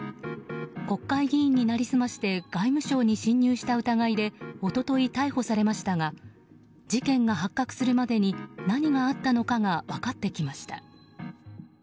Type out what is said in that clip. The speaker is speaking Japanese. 国会議員になりすまして外務省に侵入した疑いで一昨日、逮捕されましたが事件が発覚するまでに何があったのかが分かってきました。